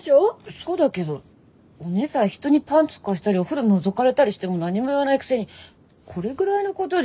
そうだけどお姉さん人にパンツ貸したりお風呂のぞかれたりしても何も言わないくせにこれぐらいのことで。